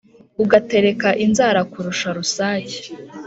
ugatereka inzara kurusha rusake